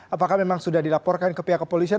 apakah memang sudah dilaporkan ke pihak kepolisian